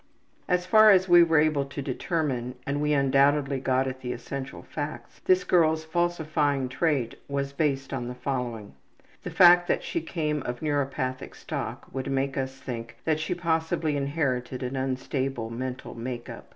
As far as we were able to determine, and we undoubtedly got at the essential facts, this girl's falsifying trait was based on the following: The fact that she came of neuropathic stock would make us think that she possibly inherited an unstable mental make up.